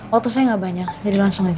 waktu saya tidak banyak jadi langsung saja